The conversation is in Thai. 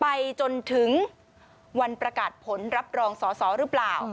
ไปจนถึงวันประกาศผลรับรองสอสอหรือเปล่า